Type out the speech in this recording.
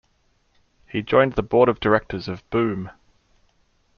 He joined the board of directors of Boom!